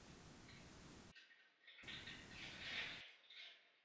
V ostatních soutěžích se na výsledcích projevoval handicap pohonu zadních kol.